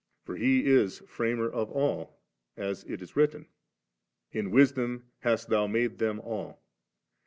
For He is Framer of all, as it is written, 'In Wisdom hast Thou made them all*.'